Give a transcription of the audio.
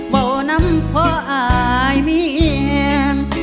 บ่อน้ำพออายมีเอง